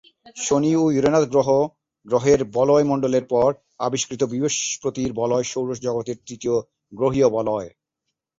শনি ও ইউরেনাস গ্রহের বলয় মণ্ডলের পর আবিষ্কৃত বৃহস্পতির বলয় সৌর জগতের তৃতীয় গ্রহীয় বলয়।